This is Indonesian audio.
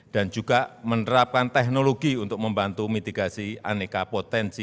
dan juga menerapkan teknologi untuk membantu mitigasi aneka potensi